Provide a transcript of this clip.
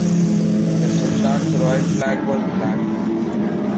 The Sultan’s royal flag was black.